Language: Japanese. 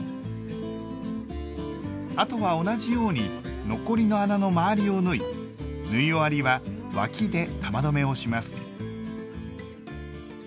あとは同じように残りの穴の周りを縫い縫い終わりは脇で玉留めをします。